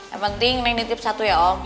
yang penting ini nitip satu ya om